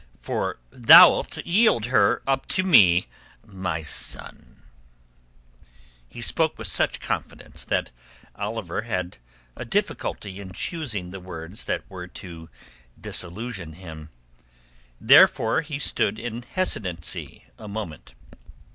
For thou'lt yield her up to me, my son." He spoke with such confidence that Oliver had a difficulty in choosing the words that were to disillusion him. Therefore he stood in hesitancy a moment.